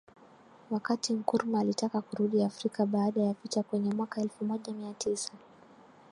Wakati Nkrumah alitaka kurudi Afrika baada ya vita kwenye mwaka elfu moja mia tisa